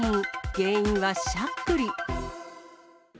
原因はしゃっくり。